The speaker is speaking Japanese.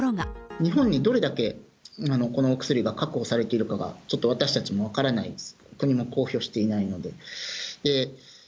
日本にどれだけ、今、このお薬が確保されているかがちょっと私たちにも分からないです、国も公表していないので。